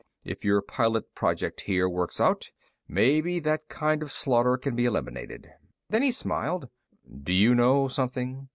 "If your pilot project here works out, maybe that kind of slaughter can be eliminated." Then he smiled. "Do you know something?